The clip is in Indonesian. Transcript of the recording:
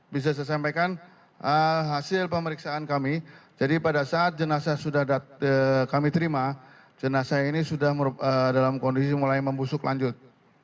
bisa saya sampaikan hasil pemeriksaan kami jadi pada saat jenazah sudah kami terima jenazah ini sudah dalam kondisi mulai membusuk lanjut